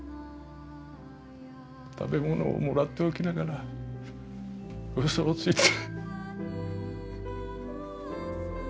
食べ物をもらっておきながらウソをついて。